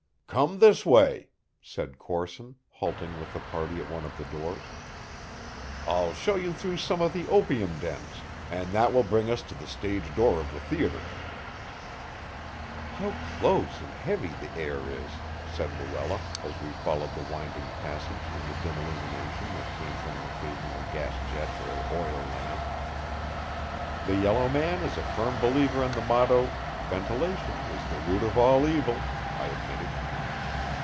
"Come this way," said Corson, halting with the party at one of the doors. "I'll show you through some of the opium dens, and that will bring us to the stage door of the theater." "How close and heavy the air is!" said Luella, as we followed the winding passage in the dim illumination that came from an occasional gas jet or oil lamp. "The yellow man is a firm believer in the motto, 'Ventilation is the root of all evil,'" I admitted.